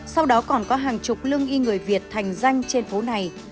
sau đó còn có hàng chục lương y người việt thành danh trên phố này